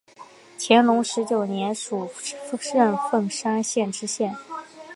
乾隆十九年署任凤山县知县。